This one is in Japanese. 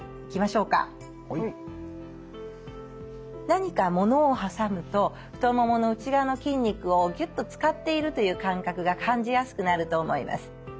何かものを挟むと太ももの内側の筋肉をギュッと使っているという感覚が感じやすくなると思います。